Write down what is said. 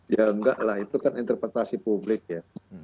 ya enggak lah itu kan interpretasi publik ya